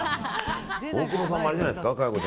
大久保さんもあれじゃないですか